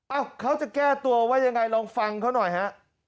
เขาจะแก้ตัวว่ายังไงลองฟังเขาหน่อยฮะ